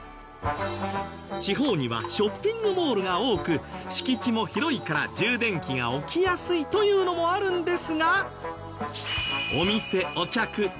地方にはショッピングモールが多く敷地も広いから充電器が置きやすいというのもあるんですが。